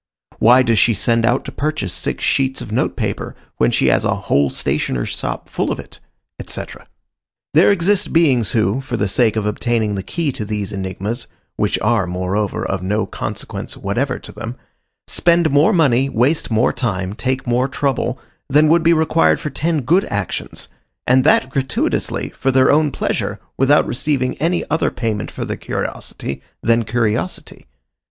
Why does she send out to purchase six sheets of note paper, when she has a "whole stationer's shop full of it?" etc. There exist beings who, for the sake of obtaining the key to these enigmas, which are, moreover, of no consequence whatever to them, spend more money, waste more time, take more trouble, than would be required for ten good actions, and that gratuitously, for their own pleasure, without receiving any other payment for their curiosity than curiosity.